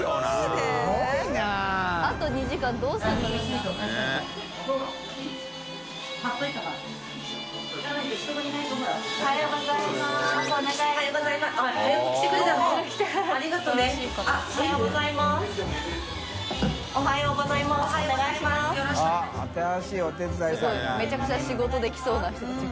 すごいめちゃくちゃ仕事できそうな人たち。